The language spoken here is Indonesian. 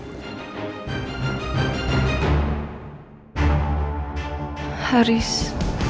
selamanya kita gak akan pernah bisa bersatu